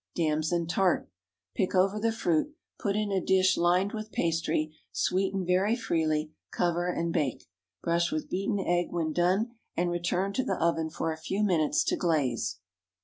DAMSON TART. Pick over the fruit, put in a dish lined with pastry, sweeten very freely, cover and bake. Brush with beaten egg when done, and return to the oven for a few minutes to glaze.